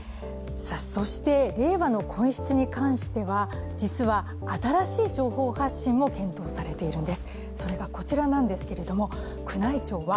令和の皇室に関しては、実は新しい情報発信も検討されているんです。